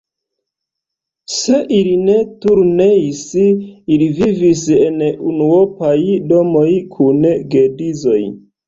Se ili ne turneis, ili vivis en unuopaj domoj kun geedzoj.